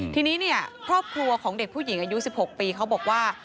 ทีนี้เนี่ยครอบครัวของเด็กผู้หญิงอายุ๑๖ปีเขาบอกว่า